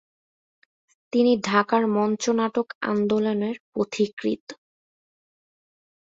তিনি ঢাকার মঞ্চ নাটক আন্দোলনের পথিকৃৎ।